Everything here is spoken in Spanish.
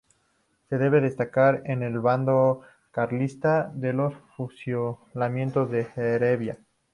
Se deben destacar en el bando carlista los fusilamientos de Heredia.